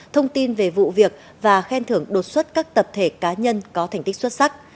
thông tin về vụ việc và khen thưởng đột xuất các tập thể cá nhân có thành tích xuất sắc